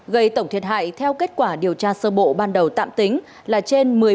gây tổng thiệt hại theo kết quả điều tra sơ bộ ban đầu tạm tính là trên